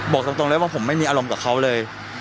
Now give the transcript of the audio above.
บอกตรงเลยว่าผมไม่มีอารมณ์กับเขาเลย